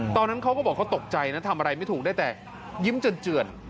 ตอนนั้นเขาก็บอกเขาตกใจนะทำอะไรไม่ถูกได้แต่ยิ้มเจือน